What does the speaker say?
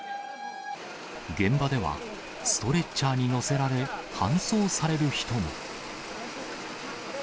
現場では、ストレッチャーに乗せられ搬送される人も。